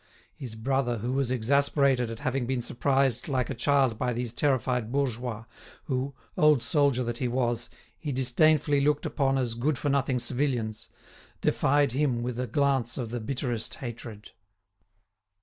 His brother, who was exasperated at having been surprised like a child by these terrified bourgeois, who, old soldier that he was, he disdainfully looked upon as good for nothing civilians, defied him with a glance of the bitterest hatred.